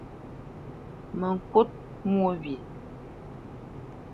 Mə ŋkút mwô wye!